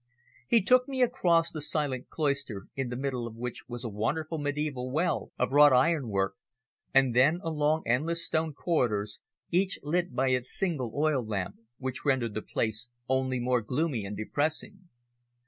He took me across the silent cloister, in the middle of which was a wonderful mediaeval well of wrought ironwork, and then along endless stone corridors, each lit by its single oil lamp, which rendered the place only more gloomy and depressing.